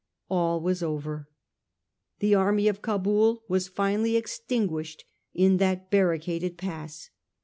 All was over. The army of Cabul was finally extinguished in that barricaded pass.